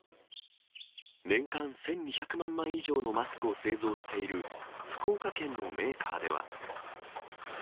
年間１２００万枚以上のマスクを製造している、福岡県のメーカーでは。